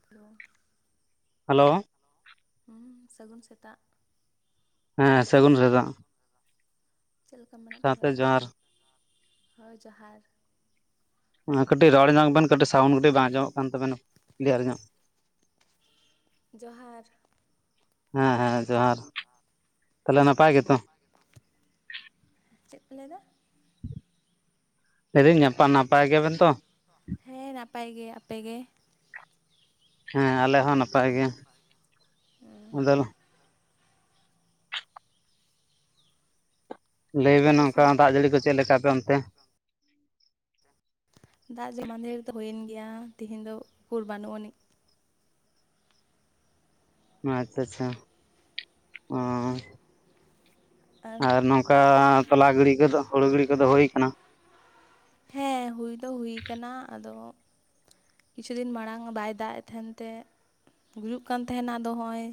ᱦᱳ [unintelligible] ᱦᱮᱞᱳ ᱦᱩ ᱥᱟᱹᱜᱩᱱ ᱥᱮᱛᱟᱜ ᱦᱮᱸ ᱥᱟᱹᱜᱩᱱ ᱥᱮᱛᱟᱜ ᱪᱮᱫ ᱞᱮᱠᱟ ᱢᱮᱱᱟᱜ ᱯᱮᱭᱟ? ᱦᱳᱭ ᱡᱚᱦᱟᱨ ᱠᱟᱹᱴᱤᱡ ᱨᱚᱲ ᱧᱚᱜ ᱵᱮᱱ, ᱠᱟᱹᱴᱤᱡ ᱥᱟᱣᱩᱱᱰ, ᱠᱟᱹᱴᱤᱡ ᱵᱟᱝ ᱟᱸᱡᱚᱢᱚᱜ ᱠᱟᱱ ᱛᱟᱵᱮᱱᱟ, ᱠᱞᱤᱭᱟᱹᱨ ᱧᱚᱜ। [inaudible] ᱡᱚᱦᱟᱨ। ᱦᱮᱸ, ᱦᱮᱸ ᱡᱚᱦᱟᱨ, ᱛᱟᱦᱚᱞᱮ, ᱱᱟᱯᱟᱭ ᱜᱮᱛᱚ। ᱪᱮᱫ ᱯᱮ ᱞᱟᱹᱭ ᱮᱫᱟ? ᱞᱟᱹᱭ ᱮᱫᱟᱹᱧ, ᱱᱟᱯᱟ ᱱᱟᱯᱟᱭ ᱜᱮᱭᱟ ᱵᱮᱱ ᱛᱚ। ᱦᱮᱸᱻ ᱱᱟᱯᱟᱭ ᱜᱮ ᱾ ᱟᱯᱮ ᱜᱮ? ᱦᱮᱸᱻ ᱟᱞᱮ ᱦᱚᱸ, ᱱᱟᱯᱟᱭ ᱜᱮ, ᱟᱫᱚ ᱞᱟᱹᱭ ᱵᱮᱱ, ᱚᱱᱠᱟ ᱫᱟᱜ ᱡᱟᱹᱲᱤ ᱠᱚ, ᱪᱮᱫ ᱞᱮᱠᱟ ᱟᱯᱮ ᱚᱱᱛᱮ? ᱫᱟᱜ ᱡᱮ, ᱢᱟᱱᱫᱷᱮᱨ ᱨᱮ ᱫᱚ, ᱦᱩᱭᱮᱱ ᱜᱮᱭᱟ ᱾ ᱛᱤᱦᱤᱧ ᱫᱚ, ᱠᱩᱨ ᱵᱟᱹᱱᱩᱜ ᱟᱹᱱᱤᱡ। ᱢᱟᱛ ᱟᱪᱷᱟ, ᱟᱸᱻ᱾ ᱟᱨ ᱱᱚᱝᱠᱟ, ᱛᱚᱞᱟ ᱜᱤᱰᱤ ᱠᱚᱫᱚ, ᱦᱩᱲᱩ ᱜᱤᱰᱤ ᱠᱚᱫᱚ, ᱦᱩᱭ ᱟᱠᱟᱱᱟ ᱾ ᱦᱮᱸᱻ ᱦᱩᱭ ᱫᱚ, ᱦᱩᱭ ᱟᱠᱟᱱᱟ ᱾ ᱟᱫᱚ, ᱠᱤᱪᱷᱩ ᱫᱤᱱ ᱢᱟᱲᱟᱝ, ᱵᱟᱭ ᱫᱟᱜ ᱮᱫ ᱛᱟᱦᱮᱱ ᱛᱮ, ᱜᱩᱡᱩᱜ ᱠᱟᱱ ᱛᱟᱦᱮᱱᱟ ᱾ ᱟᱫᱚ ᱦᱚᱸᱜᱼᱚᱭ,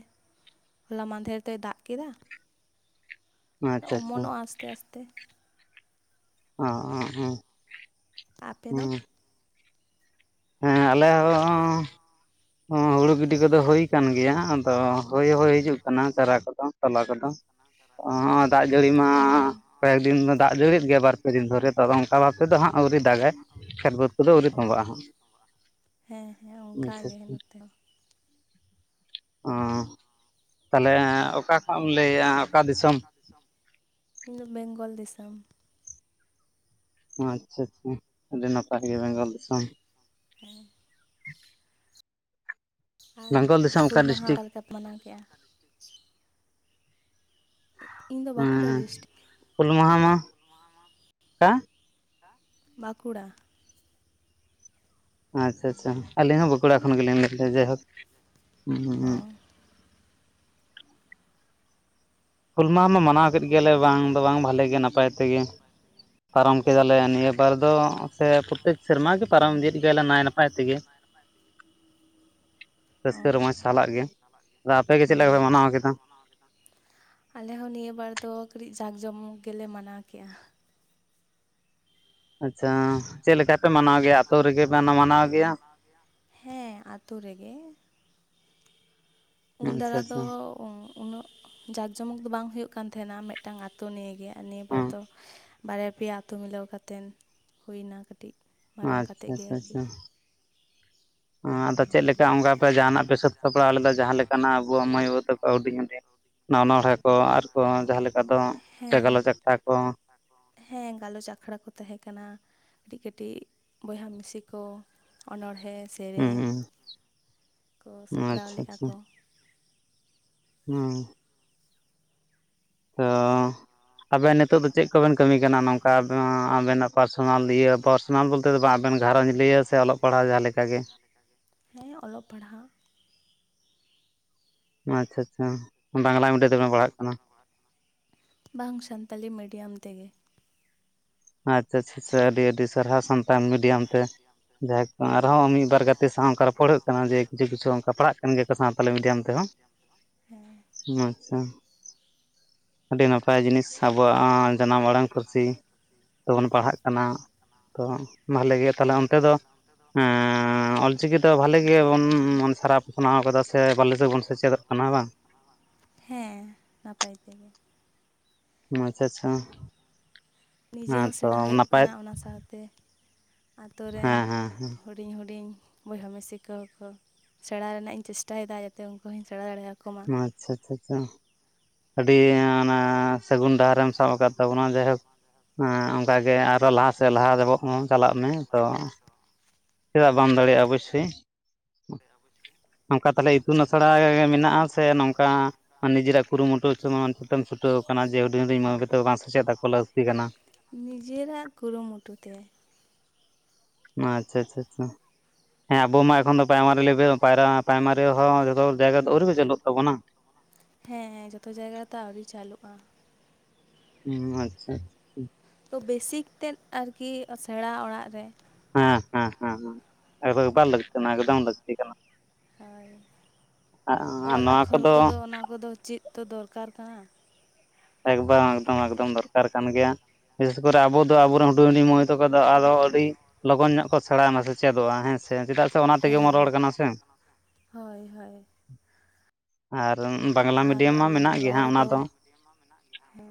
ᱦᱚᱞᱟ ᱢᱫᱷᱮᱨ ᱫᱚᱭ ᱫᱟᱜ ᱠᱮᱫᱟ, ᱚᱢᱚᱱᱚᱜᱼᱟ, ᱟᱥᱛᱮ ᱟᱥᱛᱮ ᱾ ᱚᱸᱻᱚᱸᱻᱚᱸ ᱾ ᱟᱯᱮ ᱫᱚ? ᱦᱮᱸᱻ ᱟᱞᱮ ᱦᱚᱸᱻ ᱾ ᱦᱚᱸ ᱦᱩᱲᱩ ᱜᱤᱰᱤ ᱠᱚᱫᱚ, ᱦᱩᱭ ᱟᱠᱟᱱ ᱜᱮᱭᱟ, ᱟᱫᱚ ᱦᱳᱭ, ᱦᱚᱭ ᱦᱤᱡᱩᱜ ᱠᱟᱱᱟ ᱾ ᱪᱟᱨᱟ ᱠᱚᱫᱚ, ᱛᱚᱞᱟ ᱠᱚᱫᱚ ᱾ ᱚᱸᱻ ᱫᱟᱜ ᱡᱟᱹᱲᱤ ᱢᱟ, ᱠᱚᱭᱮᱠ ᱫᱤᱱ ᱢᱟ, ᱫᱟᱜ ᱡᱟᱹᱲᱤ ᱮᱫ ᱜᱮ, ᱵᱟᱨ ᱯᱮ ᱫᱤᱱ ᱫᱷᱚᱨᱮ ᱾ ᱛᱚ, ᱚᱱᱠᱟ ᱵᱷᱟᱵ ᱛᱚ ᱦᱟᱸᱜ, ᱟᱹᱣᱨᱤ ᱫᱟᱜᱟᱭ ᱾ ᱠᱷᱮᱛ ᱵᱟᱹᱫᱽ ᱠᱚᱫᱚ, ᱟᱹᱣᱨᱤ ᱛᱚᱸᱵᱟᱜᱼᱟ ᱦᱟᱸᱜ ᱾ ᱦᱮᱸᱻ ᱦᱮᱸᱻ ᱚᱱᱠᱟ ᱜᱮ, ᱱᱚᱛᱮ ᱦᱚᱸ ᱾ ᱚᱸᱻ ᱛᱟᱦᱞᱮ, ᱚᱠᱟ ᱠᱷᱚᱱᱮ ᱮᱢ ᱞᱟᱹᱭ ᱮᱫᱼᱟ? ᱚᱠᱟ ᱫᱤᱥᱚᱢ? ᱤᱧ ᱫᱚ, ᱵᱮᱝᱜᱚᱞ ᱫᱤᱥᱚᱢ ᱾ ᱟᱪ ᱪᱷᱟ ᱪᱪᱷᱟ, ᱟᱹᱰᱤ ᱱᱟᱯᱟᱭ ᱜᱮ, ᱵᱮᱝᱜᱚᱞ ᱫᱤᱥᱚᱢ ᱾ [unintelligible] ᱟᱨ, ᱦᱩᱞ ᱢᱟᱦᱟ, ᱚᱠᱟ ᱞᱮᱠᱟ ᱯᱮ ᱢᱟᱱᱟᱣ ᱠᱮᱜᱼᱟ? ᱤᱧ ᱫᱚ, ᱵᱟᱸᱠᱩᱲᱟ ᱰᱤᱥᱴᱤᱠ ᱾ [inaudible] ᱚᱠᱟ? [inaudible] ᱵᱟᱸᱠᱩᱲᱟ ᱾ ᱟᱪᱪᱷᱟ ᱪᱷᱟ, ᱟᱹᱞᱤᱧ ᱦᱚᱸ, ᱵᱟᱸᱠᱩᱲᱟ ᱠᱷᱚᱱ ᱜᱮ, ᱞᱤᱧ ᱞᱟᱹᱭᱼᱮᱟ ᱡᱟᱭ ᱦᱳᱠ ᱾ ᱦᱩᱞ ᱢᱟᱦᱟ ᱢᱟ, ᱢᱟᱱᱟᱣ ᱠᱮᱫ ᱜᱮᱭᱟᱞᱮ, ᱵᱟᱝ ᱫᱚ ᱵᱟᱝ, ᱵᱷᱟᱞᱮ ᱜᱮ, ᱱᱟᱯᱟᱭ ᱛᱮᱜᱮ ᱾ ᱯᱟᱨᱚᱢ ᱠᱮᱫᱟ ᱞᱮ, ᱱᱤᱭᱟᱹ ᱵᱟᱨ ᱫᱚ, ᱥᱮ ᱯᱨᱚᱛᱮᱠ ᱥᱮᱨᱢᱟ ᱜᱮ, ᱯᱟᱨᱚᱢ ᱤᱫᱤ ᱭᱮᱫ ᱜᱮᱭᱟ ᱞᱮ, ᱱᱟᱭ ᱱᱟᱯᱟᱭ ᱛᱮᱜᱮ ᱾ ᱨᱟᱹᱥᱠᱟᱹ ᱨᱚᱢᱚᱡᱽ ᱥᱟᱞᱟᱜ ᱜᱮ, ᱟᱫᱚ ᱟᱯᱮ ᱜᱮ, ᱪᱮᱫ ᱞᱮᱠᱟ ᱯᱮ, ᱢᱟᱱᱟᱣ ᱠᱮᱫᱟ? [inaudible] ᱢᱟᱱᱟᱣ ᱠᱮᱫᱟ ᱾ ᱦᱟᱫ ᱟᱞᱮ ᱦᱚᱸ, ᱱᱤᱭᱟᱹ ᱵᱟᱨ ᱫᱚ, ᱠᱟᱹᱴᱤᱡ ᱡᱟᱠ ᱡᱚᱢ ᱜᱮᱞᱮ, ᱢᱟᱱᱟᱣ ᱠᱮᱜᱼᱟ ᱾ ᱟᱪᱪᱷᱟ, ᱪᱮᱫᱮ ᱞᱮᱠᱟ? ᱪᱮᱫ ᱞᱮᱠᱟ ᱯᱮ, ᱢᱟᱱᱟᱣ ᱜᱮᱭᱟ, ᱟᱹᱛᱩ ᱨᱮᱜᱮ ᱯᱮ ᱢᱟᱱᱟᱣ ᱜᱮᱭᱟ ᱾ ᱦᱮᱸ ᱟᱛᱩ ᱨᱮᱜᱮ ᱾ ᱩᱱ ᱫᱟᱲᱟ ᱫᱚ, ᱩᱱᱟᱹᱜ ᱡᱟᱠᱡᱚᱢᱚᱠ ᱫᱚ, ᱵᱟᱝ ᱦᱩᱭᱩᱜ ᱠᱟᱱ, ᱛᱟᱦᱮᱱᱟ ᱾ ᱢᱮ ᱢᱤᱫᱴᱟᱝ ᱟᱛᱳ ᱱᱤᱭᱟᱹᱜᱮ, ᱟᱨ ᱱᱤᱭᱟᱹ ᱵᱟᱨ ᱫᱚ, ᱵᱟᱨᱭᱟ, ᱯᱮᱭᱟ, ᱟᱹᱛᱩ ᱢᱤᱞᱟᱹᱣ ᱠᱟᱛᱮ, ᱦᱩᱭ ᱮᱱᱟ ᱠᱟᱹᱴᱤᱡ, ᱢᱟᱨᱟᱝ ᱠᱟᱛᱮ ᱜᱮ, ᱟᱨᱠᱤ ᱾ ᱟᱫᱚ, ᱪᱮᱫ ᱞᱮᱠᱟ ᱚᱝᱟ, ᱯᱮ ᱡᱟᱦᱟᱸᱱᱟᱜ ᱯᱮ,, ᱥᱟᱹᱛ ᱥᱟᱯᱲᱟᱣ ᱞᱮᱫᱟ, ᱡᱟᱦᱟᱸ ᱞᱮᱠᱟ ᱱᱟᱜ, ᱟᱵᱚᱣᱟᱜ ᱢᱟᱹᱭ ᱵᱟᱹᱵᱩ ᱛᱟᱠᱚ, ᱦᱩᱰᱤᱧ ᱦᱩᱰᱤᱧ, ᱚᱱᱚᱲᱦᱮ, ᱠᱚ, ᱟᱨ ᱠᱚ, ᱡᱟᱦᱟᱸ ᱞᱮᱠᱟ ᱫᱚ, ᱥᱮ ᱜᱟᱞᱚᱪ ᱟᱠᱷᱲᱟ ᱠᱚ [inaudible] ᱦᱮᱸ, ᱜᱟᱞᱚᱪ ᱟᱠᱷᱲᱟ ᱠᱚ, ᱛᱟᱦᱮᱸ ᱠᱟᱱᱟ ᱾ ᱠᱟᱹᱴᱤᱡ, ᱠᱟᱹᱴᱤᱡ ᱵᱚᱭᱦᱟ ᱢᱤᱥᱤ ᱠᱚ, ᱚᱱᱚᱲᱦᱮᱸ, ᱥᱮᱨᱮᱧ ᱠᱚ ᱥᱟᱯᱲᱟᱣ ᱞᱮᱣᱟᱼᱟ ᱠᱚ ᱾ ᱦᱩᱸ ᱾ ᱛᱚ ᱟᱵᱮᱱ ᱱᱤᱛ ᱱᱤᱛᱚᱜ ᱫᱚ ᱪᱮᱫ ᱠᱚᱵᱮᱱ ᱠᱟᱹᱢᱤ ᱠᱟᱱᱟ ᱱᱚᱝᱠᱟ ᱟᱵᱮᱱᱟᱜ ᱯᱟᱨᱥᱚᱱᱟᱞ ᱤᱭᱟᱹ ᱯᱟᱨᱥᱚᱱᱟᱞ ᱵᱚᱞᱛᱮ ᱫᱚ ᱵᱟᱝ ᱟᱵᱮᱱ ᱜᱷᱟᱨᱚᱸᱧᱡᱽ ᱞᱤᱭᱟᱹ ᱥᱮ ᱦᱮᱸ ᱚᱞᱚᱜ ᱯᱟᱲᱦᱟᱣ ᱾ ᱟᱪᱪᱷᱟ ᱟᱪᱪᱷᱟ ᱵᱟᱝᱞᱟ ᱢᱤᱰᱤᱭᱟ ᱵᱟᱝ ᱥᱟᱱᱛᱟᱞᱤ ᱢᱤᱰᱤᱭᱟᱢ ᱛᱮᱜᱮ ᱾ ᱟᱪᱪᱷᱟ ᱟᱪᱪᱷᱟ ᱟᱹᱰᱤ ᱟᱹᱰᱤ ᱥᱟᱨᱦᱟᱣ ᱥᱟᱱᱛᱟᱲᱤ ᱢᱤᱰᱤᱭᱟᱢ ᱛᱮ ᱡᱟᱭ ᱦᱳᱠ ᱟᱨᱦᱚᱸ ᱢᱤᱫ ᱵᱟᱨ ᱜᱟᱛᱮ ᱥᱟᱶ ᱯᱚᱲᱦᱟᱜ ᱠᱟᱱᱟ ᱡᱮ ᱠᱤᱪᱷᱩ ᱠᱤᱪᱷᱩ ᱚᱱᱠᱟ ᱯᱟᱲᱟᱜ ᱠᱟᱱ ᱜᱮᱭᱟ ᱠᱚ ᱥᱟᱣᱛᱟᱞᱤ ᱢᱤᱰᱟᱢ ᱛᱮᱦᱚᱸ ᱾ ᱟᱪᱪᱷᱟ ᱟᱹᱰᱤ ᱱᱟᱯᱟᱭ ᱡᱤᱱᱤᱥ ᱟᱵᱚᱣᱟᱜ ᱡᱟᱱᱟᱢ ᱟᱲᱟᱝ ᱯᱟᱹᱨᱥᱤ ᱵᱚᱱ ᱯᱟᱲᱦᱟᱜ ᱠᱟᱱᱟ ᱛᱚ ᱵᱷᱟᱞᱮ ᱜᱮ ᱛᱟᱦᱚᱞᱮ ᱚᱱᱛᱮ ᱫᱚ ᱚᱞᱪᱤᱠᱤ ᱚᱞ ᱪᱤᱠᱤ ᱫᱚ ᱵᱷᱟᱞᱮ ᱜᱮᱵᱚᱱ ᱥᱟᱨᱟᱣ ᱯᱟᱥᱱᱟᱣ ᱠᱟᱫᱟ ᱥᱮ ᱵᱷᱟᱞᱮ ᱛᱮᱵᱚᱱ ᱥᱮᱪᱮᱫᱚᱜ ᱠᱟᱱᱟ ᱵᱟᱝ? ᱦᱮᱸ ᱱᱟᱯᱟᱭ ᱛᱮ ᱜᱮ ᱾ ᱟᱪᱪᱷᱟ ᱟᱪᱪᱷᱟ ᱾ ᱱᱤᱡᱮ ᱦᱚᱸ ᱥᱮᱬᱟ ᱦᱳᱭᱳᱜ ᱠᱟᱱᱟ ᱚᱱᱟ ᱥᱟᱶᱛᱮ ᱟᱛᱳ ᱨᱮᱱ ᱦᱩᱰᱤᱧ ᱦᱩᱰᱤᱧ ᱵᱚᱭᱦᱟ ᱢᱤᱥᱤ ᱠᱚᱠᱚ ᱥᱮᱬᱟ ᱨᱮᱱᱟᱜ ᱤᱧ ᱪᱮᱥᱴᱟᱭᱮᱫᱟ ᱡᱟᱛᱮ ᱩᱱᱠᱩ ᱦᱚᱸᱧ ᱥᱮᱬᱟ ᱫᱟᱲᱮᱭᱟᱠᱚ ᱟᱪᱪᱷᱟ ᱟᱪᱪᱷᱟ ᱟᱪᱪᱷᱟ ᱟᱹᱰᱤ ᱚᱱᱟ ᱥᱟᱹᱜᱩᱱ ᱰᱟᱨ ᱢ ᱥᱟᱵ ᱟᱠᱟᱫ ᱛᱟᱵᱚᱱᱟ ᱡᱟᱭᱦᱳᱠ ᱚᱱᱠᱟ ᱜᱮ ᱟᱨᱚ ᱞᱟᱦᱟᱥᱮᱫ ᱞᱟᱦᱟ ᱛᱮᱵᱚᱜ ᱦᱚᱸ ᱪᱟᱞᱟᱜ ᱛᱟᱵᱩᱱ ᱢᱮ ᱛᱚ ᱪᱮᱫᱟᱜ ᱵᱟᱢ ᱫᱟᱲᱮᱭᱟᱜᱼᱟ ᱚᱵᱚᱥᱤᱭ ᱥᱮ ᱟᱵᱩᱭᱮ ᱱᱚᱝᱠᱟ ᱛᱟᱦᱞᱮ ᱤᱛᱩᱱ ᱟᱥᱲᱟ ᱢᱮᱱᱟᱜᱼᱟ ᱥᱮ ᱱᱚᱝᱠᱟ ᱱᱤᱡᱮᱨᱟᱜ ᱠᱩᱨᱩᱢᱩᱴᱩ ᱛᱮᱢ ᱪᱷᱩᱴᱟᱹᱣ ᱟᱠᱟᱱᱟ ᱡᱮ ᱦᱩᱧᱰᱤᱧ ᱢᱟᱹᱭ ᱵᱤ ᱛᱟ ᱵᱟᱝ ᱥᱮᱪᱮᱫᱟᱠᱚ ᱞᱟᱹᱠᱛᱤ ᱠᱟᱱᱟ ᱱᱤᱡᱮᱨᱟᱜ ᱠᱩᱨᱩᱢᱩᱴᱩ ᱛᱮ᱾ ᱟᱪᱪᱷᱟ ᱟᱪᱪᱷᱟ ᱟᱪᱪᱷᱟ ᱦᱮᱸ ᱟᱵᱚ ᱢᱟ ᱮᱠᱷᱚᱱ ᱫᱚ ᱯᱨᱟᱭᱢᱟᱨᱤ ᱞᱮᱵᱮᱞᱨᱟ ᱯᱨᱟᱭᱢᱟᱨᱤ ᱦᱚᱸ ᱡᱚᱛᱚ ᱡᱟᱭᱜᱟ ᱫᱚ ᱟᱹᱣᱨᱤ ᱠᱚ ᱪᱟᱹᱞᱩᱜ ᱛᱟᱵᱚᱱᱟ᱾ ᱦᱮᱸ ᱡᱷᱚᱛᱚ ᱡᱟᱭᱜᱟ ᱨᱮ ᱫᱚ ᱟᱹᱣᱨᱤ ᱪᱟᱹᱞᱩᱜᱼᱟ᱾ ᱦᱩᱸ ᱟᱪᱪᱷᱟ ᱛᱚ ᱵᱮᱥᱤᱠᱛᱮᱫ ᱟᱨᱠᱤ ᱥᱮᱬᱟ ᱚᱲᱟᱜ ᱨᱮ᱾ ᱦᱮᱸ ᱦᱮᱸ ᱦᱮᱸ ᱮᱠᱟᱞ ᱵᱟᱨ ᱞᱟᱹᱠᱛᱤ ᱠᱟᱱᱟ ᱮᱠᱫᱚᱢ ᱞᱟᱹᱠᱛᱤ ᱠᱟᱱᱟ᱾ ᱟᱨ ᱚᱞ ᱟᱠᱷᱚᱨ ᱠᱚᱫᱚ ᱚᱱᱟ ᱠᱚᱫᱚ ᱪᱮᱫ ᱛᱚ ᱫᱚᱨᱠᱟᱨ ᱠᱟᱱᱟ᱾ ᱮᱠᱵᱟᱨ ᱮᱠᱫᱚᱢ ᱮᱠᱫᱚᱢ ᱫᱚᱨᱠᱟᱨ ᱠᱟᱱ ᱜᱮᱭᱟ ᱵᱤᱥᱮᱥ ᱠᱚᱨᱮ ᱟᱵᱚ ᱫᱚ ᱟᱵᱚᱮᱱ ᱦᱩᱰᱤᱧ ᱦᱩᱰᱤᱧ ᱢᱟᱹᱭ ᱛᱟᱠᱚ ᱫᱚ ᱟᱨᱚ ᱟᱹᱰᱤ ᱞᱚᱜᱚᱱ ᱧᱚᱜ ᱠᱚ ᱥᱮᱬᱟᱭᱱᱟ ᱥᱮ ᱪᱮᱫᱚᱜᱼᱟ ᱦᱮᱸ ᱥᱮ ᱪᱮᱫᱟᱜ ᱥᱮ ᱚᱱᱟ ᱛᱮᱜᱮ ᱵᱚᱱ ᱨᱚᱲ ᱠᱟᱱᱟ ᱥᱮ ᱦᱳᱭ ᱦᱳᱭ ᱟᱨ ᱟᱨ ᱨᱚᱲ ᱫᱚ ᱦᱮᱸ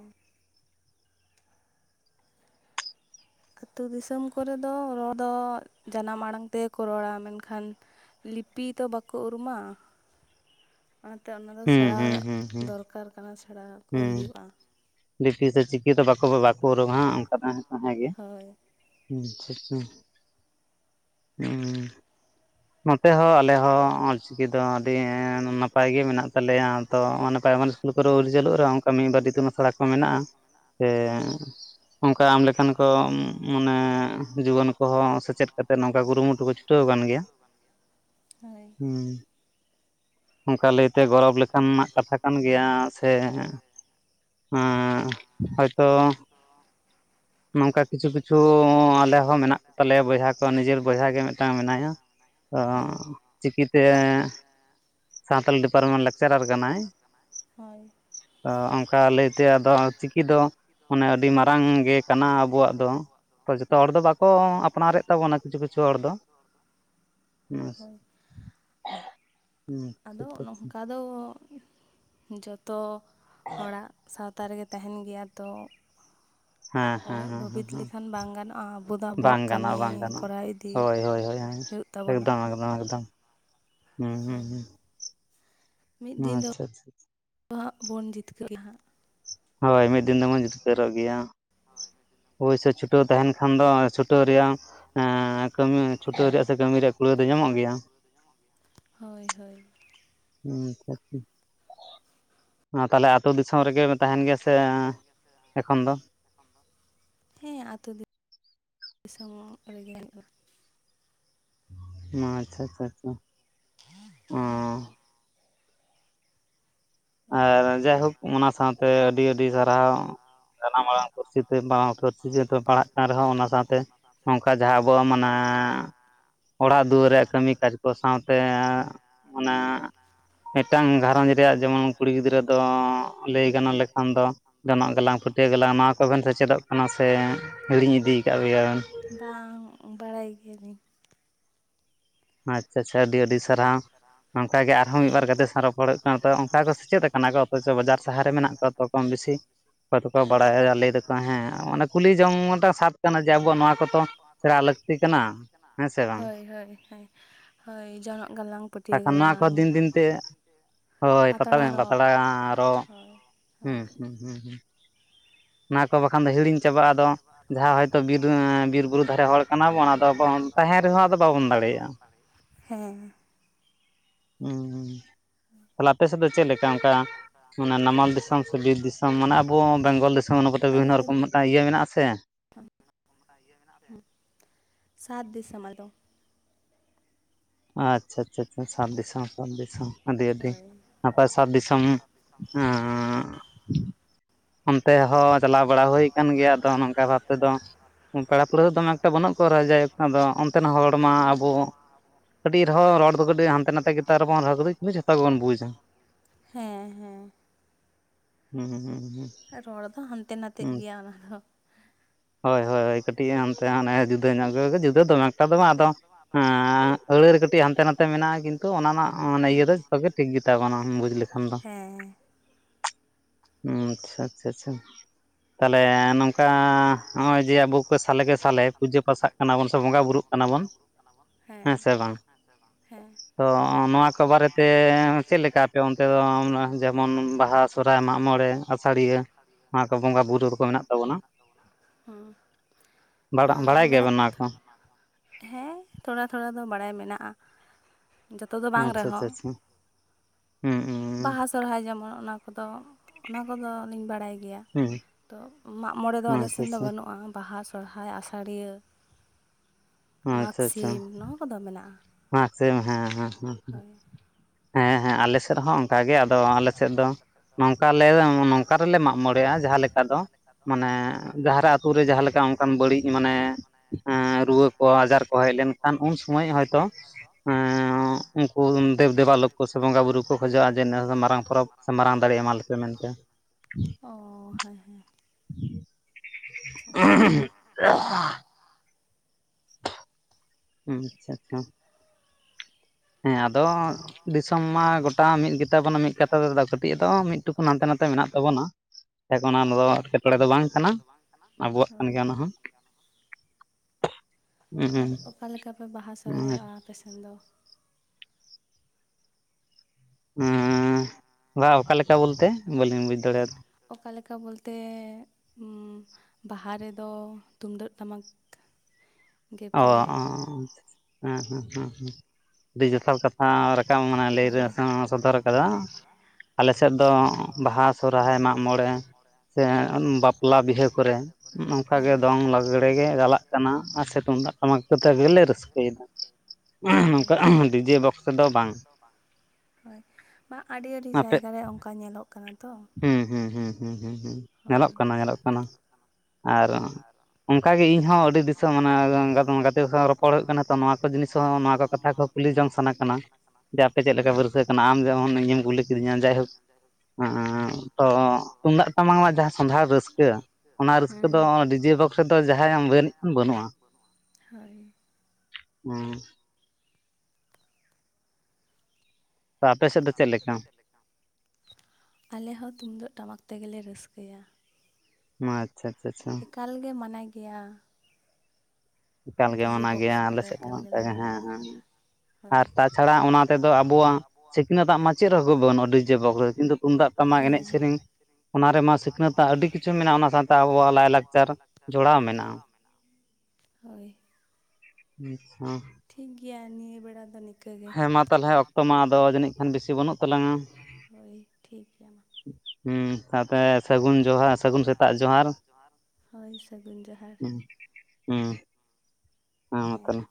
ᱟᱹᱛᱩ ᱫᱤᱥᱚᱢ ᱠᱚᱨᱮ ᱫᱚ ᱨᱚᱲ ᱫᱚ ᱡᱟᱱᱟᱢ ᱟᱲᱟᱝ ᱛᱮᱜᱮ ᱠᱚ ᱨᱚᱲᱟ ᱢᱮᱱᱠᱷᱟᱱ ᱞᱤᱯᱤ ᱛᱚ ᱵᱟᱠᱚ ᱩᱨᱩᱢᱟ᱾ [inaudible] ᱚᱱᱟᱛᱮ ᱚᱱᱟ ᱫᱚ ᱥᱮᱬᱟ ᱫᱚᱨᱠᱟᱨ ᱠᱟᱱᱟ ᱥᱮᱬᱟᱭ ᱟᱠᱚ ᱦᱩᱭᱩᱜᱼᱟ ᱾ ᱞᱤᱯᱤ ᱥᱮ ᱪᱤᱠᱤ ᱫᱚ ᱵᱟᱠᱚ ᱩᱨᱩᱢᱟ ᱚᱱᱠᱟ ᱫᱚ ᱦᱮᱸ ᱜᱮ᱾ ᱦᱩᱸ ᱦᱮᱸ ᱱᱚᱛᱮ ᱦᱚᱸ ᱟᱞᱮ ᱦᱚᱸ ᱚᱞᱪᱤᱠᱤ ᱫᱚ ᱟᱹᱰᱤ ᱱᱟᱯᱟᱭ ᱱᱟᱯᱟᱭ ᱜᱮ ᱢᱮᱱᱟᱜ ᱛᱟᱞᱮᱭᱟ ᱛᱚ ᱱᱚᱜᱼᱚᱭ ᱯᱮᱨᱟᱭ [unintelligible] ᱩᱨᱪᱟᱹᱞᱩᱜ ᱨᱮ ᱚᱱᱠᱟ ᱢᱤᱫ ᱵᱟᱨ ᱤᱛᱩᱱ ᱟᱥᱲᱟ ᱠᱚ ᱢᱮᱱᱟᱜᱼᱟ ᱥᱮ ᱚᱱᱠᱟ ᱟᱢ ᱞᱮᱠᱟᱱ ᱠᱚ ᱢᱟᱱᱮ ᱡᱩᱣᱟᱹᱱ ᱠᱚᱦᱚᱸ ᱥᱮᱪᱮᱫ ᱠᱟᱛᱮᱜ ᱱᱚᱝᱠᱟ ᱠᱩᱨᱩᱢᱩᱴᱩ ᱠᱚ ᱪᱷᱩᱴᱟᱹᱣ ᱟᱠᱟᱱ ᱜᱮᱭᱟ ᱾ ᱦᱟᱹᱭ ᱾ ᱦᱩᱸ, ᱚᱱᱠᱟ ᱞᱟᱹᱭᱛᱮ ᱜᱚᱨᱚᱵᱽ ᱞᱮᱠᱟᱱᱟᱜ ᱠᱟᱛᱷᱟ ᱠᱟᱱ ᱜᱮᱭᱟ ᱥᱮ ᱦᱮᱸ ᱦᱚᱭ ᱛᱚ ᱱᱚᱝᱠᱟ ᱠᱤᱪᱷᱩ ᱠᱤᱪᱷᱩ ᱟᱞᱮ ᱦᱚᱸ ᱢᱮᱱᱟᱜ ᱠᱚ ᱛᱟᱞᱮᱭᱟ ᱵᱚᱭᱦᱟ ᱠᱚ ᱱᱤᱡᱮᱨ ᱵᱚᱭᱦᱟ ᱜᱮ ᱢᱤᱫᱴᱟᱝ ᱢᱮᱱᱟᱭᱟ ᱾ ᱚ ᱪᱤᱠᱤ ᱛᱮ ᱥᱟᱱᱛᱟᱞᱤ ᱰᱤᱯᱟᱨᱴᱢᱮᱱᱴ ᱞᱮᱠᱪᱟᱨᱟᱞ ᱠᱟᱱᱟᱭ ᱾ ᱛᱚ ᱚᱱᱠᱟ ᱞᱟᱹᱭᱛᱮ ᱟᱫᱚ ᱪᱤᱠᱤ ᱫᱚ ᱢᱟᱱᱮ ᱟᱹᱰᱤ ᱢᱟᱨᱟᱝ ᱜᱮ ᱠᱟᱱᱟ ᱟᱵᱚᱣᱟᱜ ᱫᱚ ᱾ ᱡᱚᱛᱚ ᱦᱚᱲ ᱫᱚ ᱵᱟᱠᱚ ᱟᱯᱱᱟᱨᱮᱫ ᱛᱟᱵᱚᱱᱟ ᱠᱤᱪᱷᱩ ᱠᱤᱪᱷᱩ ᱦᱚᱲ ᱫᱚ ᱾ ᱦᱳᱭ ᱾ [inaudible] ᱟᱫᱚ ᱱᱚᱝᱠᱟ ᱫᱚ ᱡᱚᱛᱚ ᱦᱚᱲᱟᱜ ᱥᱟᱶᱛᱟ ᱨᱮᱜᱮ ᱛᱟᱦᱮᱱ ᱜᱮᱭᱟ ᱾ ᱛᱚ ᱩᱱᱟᱹᱜ ᱵᱷᱟᱹᱵᱤᱛ ᱞᱮᱠᱷᱟᱱ ᱵᱟᱝ ᱜᱟᱱᱚᱜᱼᱟ ᱾ ᱟᱵᱚ ᱫᱚ ᱟᱵᱚᱣᱟᱜ ᱠᱟᱹᱢᱤ ᱠᱚᱨᱟᱣ ᱤᱫᱤ ᱦᱩᱭᱩᱜ ᱮᱠᱫᱚᱢ ᱮᱠᱫᱚᱢ ᱮᱠᱫᱚᱢ ᱾ ᱦᱩᱸ ᱦᱩᱸ ᱦᱩᱸ ᱾ ᱟᱪᱪᱷᱟ ᱟᱪᱪᱷᱟ ᱾ ᱟᱵᱚ ᱦᱟᱸᱜ ᱵᱚᱱ ᱡᱤᱛᱠᱟᱹᱨ [unintelligible] ᱦᱳᱭ ᱢᱤᱫ ᱫᱤᱱ ᱫᱚᱢᱚᱱ ᱡᱤᱛᱠᱟᱹᱨᱚᱜ ᱜᱮᱭᱟ ᱾ ᱦᱳᱭ ᱾ ᱚᱵᱚᱥᱥᱳᱭ ᱪᱷᱩᱴᱟᱹᱣ ᱛᱟᱦᱮᱱ ᱠᱷᱟᱱ ᱫᱚ ᱪᱷᱩᱴᱟᱹᱣ ᱨᱮᱭᱟᱜ ᱮᱸᱻ ᱠᱟᱹᱢᱤ ᱪᱷᱩᱴᱟᱹᱣ ᱨᱮᱭᱟᱜ ᱠᱟᱹᱢᱤ ᱨᱮᱭᱟᱜ ᱠᱩᱲᱟᱹᱣ ᱫᱚ ᱧᱟᱢᱚᱜ ᱜᱮᱭᱟ ᱾ ᱦᱳᱭ ᱦᱳᱭ ᱾ ᱦᱩᱸ ᱟᱪᱪᱷᱟ ᱟᱪᱪᱷᱟ ᱾ [inaudible] ᱛᱟᱦᱞᱮ ᱟᱹᱛᱳ ᱫᱤᱥᱚᱢ ᱨᱮᱜᱮ ᱛᱟᱦᱮᱱ ᱜᱮᱭᱟ ᱥᱮ ᱮᱠᱷᱚᱱ ᱫᱚ? ᱦᱮᱸ ᱟᱹᱛᱩ ᱫᱤᱥᱚᱢ ᱨᱮᱜᱮ ᱦᱩᱭᱩᱜᱼᱟ ᱾ ᱟᱪᱪᱷᱟ ᱟᱪᱪᱷᱟ ᱟᱪᱪᱷᱟ ᱚᱸᱻ ᱟᱨ ᱡᱟᱭᱦᱳᱠ ᱚᱱᱟ ᱥᱟᱶᱛᱮ ᱟᱹᱰᱤ ᱟᱹᱰᱤ ᱥᱟᱨᱦᱟᱣ ᱾ ᱡᱟᱱᱟᱢ ᱟᱲᱟᱝ ᱯᱟᱹᱨᱥᱤ ᱛᱮ ᱢᱟᱲᱟᱝ ᱩᱛᱟᱹᱨ ᱫᱚ ᱯᱟᱲᱦᱟᱜ ᱠᱟᱱ ᱨᱮᱦᱚᱸ ᱚᱱᱟ ᱥᱟᱶᱛᱮ ᱱᱚᱝᱠᱟ ᱡᱟᱦᱟᱸ ᱟᱵᱚᱣᱟᱜ ᱢᱟᱱᱮ ᱚᱲᱟᱜ ᱫᱩᱣᱟᱹᱨ ᱨᱮᱭᱟᱜ ᱠᱟᱹᱢᱤ ᱠᱟᱡᱽ ᱠᱚ ᱥᱟᱶᱛᱮ ᱚᱱᱟ ᱢᱤᱫᱴᱟᱝ ᱜᱷᱟᱨᱚᱸᱡᱽ ᱨᱮᱭᱟᱜ ᱡᱮᱢᱚᱱ ᱠᱩᱲᱤ ᱜᱤᱫᱽᱨᱟᱹ ᱫᱚ ᱞᱟᱹᱭ ᱜᱟᱱᱚᱜ ᱞᱮᱠᱷᱟᱱ ᱫᱚ ᱡᱚᱱᱚᱜ ᱜᱟᱞᱟᱝ ᱯᱟᱹᱴᱭᱟᱹ ᱜᱟᱞᱟᱝ ᱱᱚᱣᱟ ᱠᱚᱵᱮᱱ ᱥᱮᱪᱮᱫᱚᱜ ᱠᱟᱱᱟ ᱥᱮ ᱦᱤᱲᱤᱧ ᱤᱫᱤ ᱟᱠᱟᱫ ᱜᱮᱭᱟ? ᱵᱟᱝ, ᱵᱟᱲᱟᱭ ᱜᱮᱭᱟᱞᱤᱤᱧ ᱾ ᱟᱨ ᱱᱚᱝᱠᱟ ᱜᱮ ᱟᱨᱦᱚᱸ ᱢᱤᱫᱵᱟᱨ ᱠᱟᱛᱮ [unintelligible] ᱚᱱᱠᱟ ᱫᱚ ᱪᱮᱫ ᱠᱟᱱᱟ ᱠᱚ ᱚᱠᱚᱭ ᱫᱚ ᱵᱟᱡᱟᱨ ᱥᱟᱦᱟᱨ ᱨᱮ ᱢᱮᱱᱟᱜ ᱠᱚᱣᱟ ᱠᱚᱢ ᱵᱤᱥᱤ ᱾ ᱚᱠᱚᱭ ᱫᱚᱠᱚ ᱵᱟᱲᱟᱭᱟ ᱞᱟᱹᱭ ᱮᱫᱟ ᱠᱚ ᱦᱮᱸ ᱢᱟᱱᱮ ᱠᱩᱞᱤ ᱡᱚᱝ ᱢᱤᱫᱴᱟᱝ ᱥᱟᱫ [unintelligible] ᱠᱩᱞᱤ ᱡᱚᱝ ᱱᱚᱣᱟ ᱠᱚ ᱛᱚ ᱥᱮᱸᱬᱟ ᱞᱟᱠᱛᱤ ᱠᱟᱱᱟ ᱾ ᱦᱳᱭ ᱦᱳᱭ ᱦᱳᱭ ᱾ ᱦᱳᱭ ᱡᱚᱱᱚᱜ ᱜᱟᱞᱟᱝ ᱵᱟᱠᱷᱟᱱ ᱱᱚᱣᱟ ᱠᱚᱦᱚᱸ ᱫᱤᱱ ᱫᱤᱱᱛᱮ, ᱦᱳᱭ ᱯᱟᱛᱲᱟ ᱯᱟᱛᱲᱟ ᱨᱚᱜ ᱦᱩᱸ ᱦᱩᱸ, ᱦᱩᱸ ᱦᱩᱸ ᱾ ᱚᱱᱟ ᱠᱚ ᱵᱟᱠᱷᱟᱱ ᱫᱚ ᱦᱤᱲᱤᱧ ᱪᱟᱵᱟᱜᱼᱟ ᱾ ᱟᱫᱚ ᱡᱟᱦᱟᱸ ᱦᱚᱭᱛᱳ ᱵᱤᱨ ᱵᱤᱨ ᱵᱩᱨᱩ ᱫᱷᱟᱨᱮ ᱦᱚᱲ ᱠᱟᱱᱟ ᱵᱚᱱ ᱟᱫᱚ ᱵᱚᱱ [unintelligible] ᱛᱟᱦᱮᱱ ᱨᱮᱦᱚᱸ ᱟᱫᱚ ᱵᱟᱵᱚᱱ ᱫᱟᱲᱮᱭᱟᱜᱼᱟ ᱾ ᱦᱮᱸ᱾ ᱦᱩᱸ ᱦᱩᱸ ᱾ ᱛᱟᱦᱞᱮ ᱟᱯᱮ ᱥᱮᱫ ᱫᱚ ᱪᱮᱫ ᱞᱮᱠᱟ ᱚᱱᱠᱟ ᱢᱟᱱᱮ ᱱᱟᱢᱟᱞ ᱫᱤᱥᱚᱢ ᱥᱮ ᱵᱤᱨ ᱫᱤᱥᱚᱢ ᱢᱟᱱᱮ ᱟᱵᱚ ᱵᱮᱝᱜᱚᱞ ᱫᱤᱥᱚᱢ ᱚᱱᱟ ᱠᱚᱛᱮ ᱵᱤᱵᱷᱤᱱᱱᱚ ᱨᱚᱠᱚᱢ ᱢᱤᱫᱴᱟᱝ ᱤᱭᱟᱹ ᱢᱮᱱᱟᱜᱼᱟ ᱥᱮᱼᱼ [unintelligible] ᱟᱪᱪᱷᱟ ᱟᱪᱪᱷᱟ ᱥᱟᱫ ᱫᱤᱥᱚᱢ ᱥᱟᱫ ᱫᱤᱥᱚᱢ ᱟᱫᱮ ᱟᱫᱮ ᱱᱟᱯᱟᱭ ᱥᱟᱫ ᱫᱤᱥᱚᱢ ᱩᱸᱢᱻ ᱚᱱᱛᱮ ᱦᱚᱸ ᱪᱟᱞᱟᱣ ᱵᱟᱲᱟ ᱦᱩᱭ ᱠᱟᱱ ᱜᱮᱭᱟ ᱟᱫᱚ ᱱᱚᱝᱠᱟ ᱵᱷᱟᱵ ᱛᱮ ᱫᱚᱼᱼ ᱯᱮᱲᱟ ᱯᱟᱹᱲᱦᱟᱹ ᱫᱚᱢᱮ ᱮᱠᱴᱟ ᱵᱟᱹᱱᱩᱜ ᱠᱚᱣᱟ ᱡᱟᱭᱦᱩᱠ ᱫᱚ ᱚᱱᱛᱮᱱ ᱦᱚᱲᱢᱟ ᱟᱵᱚᱼᱼ ᱠᱟᱹᱴᱤᱡ ᱨᱮᱦᱚᱸ ᱨᱚᱲ ᱫᱚ ᱠᱟᱹᱴᱤᱡ ᱦᱟᱱᱛᱮ ᱱᱟᱛᱮ ᱜᱮᱛᱟ ᱨᱮᱵᱚᱱ ᱨᱚᱲ ᱠᱚᱫᱚ ᱡᱷᱚᱛᱚ ᱜᱮᱵᱚᱱ ᱵᱩᱡᱟ ᱦᱮᱸ ᱦᱮᱸ ᱦᱩᱸ ᱦᱩᱸ ᱦᱩᱸ ᱨᱚᱲ ᱫᱚ ᱦᱟᱱᱛᱮ ᱱᱟᱛᱮ ᱜᱮᱭᱟ ᱚᱱᱟ ᱫᱚᱼᱼ ᱦᱳᱭ ᱦᱳᱭ ᱠᱟᱹᱴᱤᱡ ᱦᱟᱱᱛᱮ ᱦᱟᱱᱮ ᱡᱩᱫᱟᱹ ᱧᱚᱜ ᱜᱮ ᱡᱩᱫᱟᱹ ᱫᱚᱢᱮ ᱮᱠᱴᱟ ᱫᱚ ᱵᱟᱝ ᱟᱫᱚ [unintelligible] ᱟᱹᱲᱟᱹ ᱨᱮ ᱠᱟᱹᱴᱤᱡ ᱦᱟᱱᱛᱮ ᱱᱟᱛᱮ ᱢᱮᱱᱟᱜᱼᱟ ᱠᱤᱱᱛᱩ ᱚᱱᱟ ᱢᱟᱱᱮ ᱤᱭᱟᱹ ᱫᱚ ᱡᱚᱛᱚ ᱜᱮ ᱴᱷᱤᱠ ᱜᱮᱛᱟ ᱵᱚᱱᱟ ᱵᱩᱡᱽ ᱞᱮᱠᱷᱟᱱ ᱫᱚᱼᱼ ᱦᱩᱸ ᱟᱪᱪᱷᱟ ᱟᱪᱪᱷᱟ ᱟᱪᱪᱷᱟ ᱛᱟᱦᱚᱞᱮ ᱱᱚᱝᱠᱟ ᱱᱚᱜᱼᱚᱭ ᱡᱮ ᱟᱵᱚ ᱠᱚ ᱥᱟᱞᱮ ᱠᱮ ᱥᱟᱞᱮ ᱯᱩᱡᱟᱹ ᱯᱟᱥᱟᱜ ᱠᱟᱱᱟ ᱵᱚᱱ ᱥᱮ ᱵᱚᱸᱜᱟ ᱵᱩᱨᱩᱜ ᱠᱟᱱᱟ ᱵᱚᱱ [unintelligible] ᱦᱮᱸ [unintelligible] ᱦᱮᱸ ᱛᱚ ᱱᱚᱣᱟ ᱠᱚ ᱵᱟᱨᱮᱛᱮ ᱪᱮᱫ ᱞᱮᱠᱟ ᱯᱮ ᱚᱱᱛᱮ ᱫᱚ ᱡᱮᱢᱚᱱ ᱵᱟᱦᱟ [unintelligible] ᱥᱚᱨᱦᱟᱭ ᱢᱟᱜ ᱢᱚᱬᱮ ᱟᱥᱟᱲᱤᱭᱟᱹ ᱱᱚᱣᱟ ᱠᱚ ᱵᱚᱸᱜᱟ ᱵᱩᱨᱩᱼᱼ [unintelligible] ᱦᱮᱸ ᱛᱷᱚᱲᱟ ᱛᱷᱚᱲᱟ ᱫᱚ ᱵᱟᱲᱟᱭ ᱢᱮᱱᱟᱜᱼᱟ ᱟᱪᱪᱷᱟ ᱟᱪᱪᱷᱟ ᱟᱪᱪᱷᱟ ᱦᱩᱸ [unintelligible] ᱥᱚᱨᱦᱟᱭ ᱡᱮᱢᱚᱱ ᱚᱱᱟ ᱠᱚᱫᱚ ᱚᱱᱟ ᱠᱚᱫᱚ ᱞᱤᱧ ᱵᱟᱲᱟᱭ ᱜᱮᱭᱟ ᱦᱮᱸᱼᱼ ᱛᱚ ᱢᱟᱜ ᱢᱚᱬᱮ ᱫᱚ ᱟᱞᱮ ᱥᱮᱱ ᱫᱚ ᱵᱟᱹᱱᱩᱜᱼᱟ ᱵᱟᱦᱟ ᱥᱚᱨᱦᱟᱭ ᱟᱥᱟᱲᱤᱭᱟᱹᱼᱼ ᱢᱟᱜᱽ ᱥᱤᱢ ᱱᱚᱣᱟ ᱠᱚ ᱫᱚ ᱢᱮᱱᱟᱜᱼᱟ ᱢᱟᱜᱽ ᱥᱤᱢ ᱦᱮᱸ ᱦᱮᱸ ᱦᱮᱸ ᱦᱮᱸᱻ ᱟᱞᱮ ᱥᱮᱫ ᱦᱚᱸ ᱚᱱᱠᱟ ᱜᱮ ᱟᱫᱚ ᱟᱞᱮ ᱥᱮᱫ ᱫᱚ ᱱᱚᱝᱠᱟ ᱞᱮ ᱱᱚᱝᱠᱟ ᱨᱮᱞᱮ ᱢᱟᱜᱽᱢᱚᱬᱮᱜᱼᱟ ᱡᱟᱦᱟᱸ ᱞᱮᱠᱟ ᱫᱚᱼᱼ ᱢᱟᱱᱮ ᱡᱟᱦᱟᱸ ᱨᱮ ᱟᱛᱳ ᱨᱮ ᱡᱟᱦᱟᱸ ᱞᱮᱠᱟ ᱚᱱᱠᱟᱱ ᱵᱟᱹᱲᱤᱡ ᱢᱟᱱᱮ ᱨᱩᱣᱟᱹ ᱠᱚ ᱟᱡᱟᱨ ᱠᱚ ᱦᱮᱡ ᱞᱮᱱ ᱠᱷᱟᱱᱼᱼ [unintelligible] ᱩᱱ ᱥᱳᱢᱚᱭ ᱦᱚᱭᱛᱚ ᱦᱚᱭᱛᱚᱼᱼ ᱮᱸ ᱩᱱᱠᱩ ᱫᱮᱵᱽ ᱫᱮᱵᱟᱞᱳᱼᱼ ᱩᱱ ᱥᱮ ᱵᱚᱸᱜᱟ ᱵᱩᱨᱩ ᱠᱚ ᱠᱷᱚᱡᱚᱜᱼᱟ ᱡᱮ ᱱᱮᱥ ᱫᱚ ᱢᱟᱨᱟᱝ ᱯᱚᱨᱚᱵᱽ ᱥᱮ ᱢᱟᱨᱟᱝ ᱫᱟᱲᱮ ᱮᱢᱟᱞᱮᱯᱮ ᱢᱮᱱ ᱛᱮ ᱚ ᱦᱮᱸ ᱦᱮᱸ [unintelligible] [unintelligible] ᱟᱪᱪᱷᱟ ᱦᱮᱸ ᱟᱫᱚ ᱫᱤᱥᱚᱢ ᱢᱟ ᱜᱚᱴᱟ ᱢᱤᱫ ᱜᱮᱛᱟ ᱵᱚᱱᱟ ᱢᱤᱫ ᱠᱟᱛᱷᱟ ᱛᱮᱫᱚ ᱠᱟᱹᱴᱤᱡ ᱟᱫᱚ ᱢᱤᱫᱼᱼ ᱞᱟᱹᱴᱩ [unintelligible] ᱦᱟᱱᱛᱮ ᱱᱟᱛᱮ ᱢᱮᱱᱟᱜ ᱛᱟᱵᱚᱱᱟ ᱢᱮᱱᱟᱜ ᱛᱟᱵᱚᱱᱟ ᱱᱚᱣᱟ ᱮᱴᱠᱮᱴᱚᱬᱮ ᱫᱚ ᱵᱟᱝ ᱠᱟᱱᱟ ᱦᱳᱭ ᱟᱵᱚᱣᱟᱜᱼᱼ ᱟᱨ ᱚᱠᱟ ᱞᱮᱠᱟ ᱯᱮ ᱵᱟᱦᱟ ᱥᱚᱨᱦᱟᱭᱚᱜᱼᱟ ᱟᱯᱮ ᱥᱮᱱ ᱫᱚᱼᱼ ᱩᱸᱻ ᱵᱟᱝ ᱚᱠᱟ ᱞᱮᱠᱟ ᱵᱚᱞᱛᱮ ᱵᱟᱹᱞᱤᱧ ᱵᱩᱡ ᱫᱟᱲᱮᱭᱟᱫᱟ ᱚᱠᱟ ᱞᱮᱠᱟ ᱵᱚᱞᱛᱮ ᱵᱟᱦᱟ ᱨᱮᱫᱚ ᱛᱩᱢᱫᱟᱹᱜ ᱴᱟᱢᱟᱠ ᱚ ᱦᱮᱸ ᱦᱮᱸ ᱦᱩᱸ ᱦᱩᱸ ᱟᱹᱰᱤ ᱡᱚᱛᱷᱟᱛ ᱠᱟᱛᱷᱟ ᱦᱮᱸ ᱨᱟᱠᱟᱵ ᱞᱟᱹᱭ ᱥᱚᱫᱚᱨ ᱠᱟᱫᱟ ᱟᱞᱮ ᱥᱮᱫ ᱫᱚ ᱵᱟᱦᱟ ᱥᱚᱦᱨᱟᱭ ᱢᱟᱜᱽ ᱢᱚᱬᱮ ᱥᱮ ᱵᱟᱯᱞᱟ ᱵᱤᱦᱟᱹ ᱠᱚ ᱨᱮᱼᱼ ᱱᱚᱝᱠᱟ ᱜᱮ ᱫᱚᱝ ᱞᱟᱜᱽᱲᱮ ᱜᱮ ᱪᱟᱞᱟᱜ ᱠᱟᱱᱟ ᱟᱨ ᱥᱤᱛᱩᱝᱼᱼ ᱛᱩᱢᱫᱟᱜ ᱴᱟᱢᱟᱠ ᱠᱛᱮ ᱜᱮᱞᱮ ᱨᱟᱹᱥᱠᱟᱹᱭᱮᱫᱟ ᱱᱚᱝᱠᱟ ᱰᱤᱡᱮ ᱵᱚᱠᱥ ᱛᱮᱫᱚ ᱵᱟᱝ ᱦᱳᱭ ᱵᱟᱝ ᱟᱹᱰᱤ ᱟᱹᱰᱤ ᱡᱟᱭᱜᱟ ᱨᱮ ᱚᱱᱠᱟ ᱧᱮᱞᱚᱜ ᱠᱟᱱᱟ ᱛᱚ ᱦᱩᱸ ᱦᱩᱸ ᱦᱩᱸ ᱦᱩᱸ ᱦᱩᱸ ᱦᱩᱸ ᱧᱮᱞᱚᱜ ᱠᱟᱱᱟ ᱧᱮᱞᱚᱜ ᱠᱟᱱᱟ ᱟᱨ ᱚᱝᱠᱟ ᱜᱮ ᱤᱧᱦᱚᱸ ᱟᱹᱰᱤ ᱫᱤᱥᱟᱹ ᱢᱟᱱᱮ ᱜᱟᱛᱮ ᱥᱟᱶ ᱨᱚᱯᱚᱲ ᱦᱩᱭᱩᱜ ᱠᱟᱱᱟ ᱛᱚ ᱱᱚᱣᱟ ᱠᱚ ᱡᱤᱱᱤᱥ ᱦᱚᱸ ᱱᱚᱣᱟ ᱠᱚ ᱠᱟᱛᱷᱟ ᱠᱚ ᱠᱩᱞᱤ ᱡᱚᱝ ᱥᱟᱱᱟ ᱠᱟᱱᱟ, ᱡᱮ ᱟᱯᱮ ᱪᱮᱫ ᱞᱮᱠᱟ ᱯᱮ ᱯᱟᱹᱨᱠᱟᱹᱜ ᱠᱟᱱᱟ ᱟᱢ ᱡᱮᱢᱚᱱ ᱤᱧᱮᱢ ᱠᱩᱞᱤ ᱠᱤᱫᱤᱧᱟ ᱡᱟᱭᱦᱳᱠ᱾ [unintelligible] ᱛᱚ ᱛᱩᱢᱫᱟᱜ ᱴᱟᱢᱟᱜ ᱡᱟᱦᱟᱸ ᱥᱚᱸᱫᱷᱟᱲ ᱨᱟᱹᱥᱠᱟᱹ ᱚᱱᱟ ᱨᱟᱹᱥᱠᱟᱹ ᱫᱚ ᱰᱤᱡᱮ ᱵᱚᱠᱥ ᱨᱮᱫᱚ ᱡᱟᱦᱟᱸᱭ ᱟᱢᱵᱟᱱᱤ ᱵᱟᱹᱱᱩᱜᱼᱟ᱾ ᱦᱳᱭ᱾ ᱦᱩᱸ ᱛᱚ ᱟᱯᱮ ᱥᱮᱫ ᱫᱚ ᱪᱮᱫ ᱞᱮᱠᱟ? ᱟᱞᱮ ᱦᱚᱸ ᱛᱩᱢᱫᱟᱹᱜ ᱴᱟᱢᱟᱠ ᱛᱮᱜᱮᱞᱮ ᱨᱟᱹᱥᱠᱟᱹᱭᱟ᱾ ᱚ ᱟᱪᱪᱷᱟ ᱟᱪᱪᱷᱟ ᱟᱪᱷᱟ ᱮᱠᱟᱞ ᱜᱮ ᱢᱟᱱᱟ ᱜᱮᱭᱟ᱾ ᱮᱠᱟᱞᱜᱮ ᱢᱟᱱᱟ ᱜᱮᱭᱟ ᱟᱞᱮ ᱥᱮᱫ ᱦᱚᱸ ᱚᱝᱠᱟᱜᱮ ᱦᱮᱸ ᱦᱮᱸ᱾ ᱟᱨ ᱛᱟᱪᱷᱟᱲᱟ ᱚᱱᱟ ᱛᱮᱫᱚ ᱟᱵᱚᱣᱟᱜ ᱥᱤᱠᱷᱱᱟᱹᱛᱟᱜ ᱢᱟ ᱪᱮᱫ ᱦᱚᱸ ᱵᱟᱹᱱᱩᱜᱼᱟ ᱰᱤᱡᱮ ᱵᱚᱠᱥ ᱨᱮ ᱠᱤᱱᱛᱩ ᱛᱩᱢᱫᱟᱹᱜ ᱴᱟᱢᱟᱠ ᱮᱱᱮᱡ ᱥᱮᱨᱮᱧ ᱚᱱᱟ ᱨᱮᱢᱟ ᱥᱤᱠᱷᱱᱟᱹᱛ ᱟᱹᱰᱤ ᱠᱤᱪᱷᱩ ᱢᱮᱱᱟᱜᱼᱟ ᱚᱱᱟ ᱥᱟᱶᱛᱮ ᱟᱵᱚᱣᱟᱜ ᱞᱟᱭ ᱞᱟᱠᱪᱟᱨ ᱡᱚᱲᱟᱣ ᱢᱮᱱᱟᱜᱼᱟ ᱦᱳᱭ ᱟᱪᱪᱷᱟ ᱴᱷᱤᱠ ᱜᱮᱭᱟ ᱱᱤᱭᱟᱹ ᱵᱮᱲᱟ ᱫᱚ ᱱᱤ ᱠᱟᱹ ᱜᱮ ᱦᱮᱸ ᱦᱮ ᱢᱟ ᱛᱟᱞᱦᱮ ᱚᱠᱛᱚ ᱦᱟᱸᱜ ᱦᱳᱭ ᱴᱷᱤᱠ ᱜᱮᱭᱟ ᱢᱟ ᱛᱟᱞᱦᱮ ᱥᱟᱹᱜᱩᱱ ᱡᱚᱦᱟᱨ ᱥᱟᱹᱜᱩᱱ ᱥᱮᱛᱟᱜ ᱡᱚᱦᱟᱨ ᱦᱳᱭ ᱥᱟᱹᱜᱩᱱ ᱡᱚᱦᱟᱨ ᱦᱩᱸ ᱦᱮᱸ ᱢᱟ ᱛᱟᱞᱦᱮ